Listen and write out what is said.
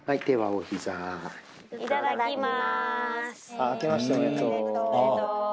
いただきます！